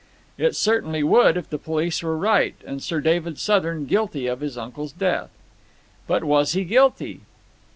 It certainly would, if the police were right, and Sir David Southern guilty of his uncle's death. But was he guilty?